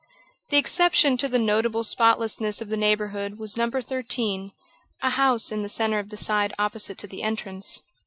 The exception to the notable spotlessness of the neighborhood was No. 13, a house in the centre of the side opposite to the entrance.